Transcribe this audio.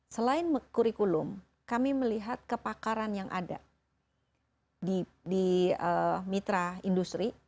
selain kurikulum kami melihat kepakaran yang ada di mitra industri